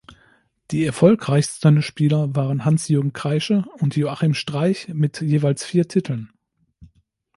Die erfolgreichsten Spieler waren Hans-Jürgen Kreische und Joachim Streich mit jeweils vier Titeln.